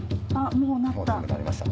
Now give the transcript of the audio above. もう全部なりましたか？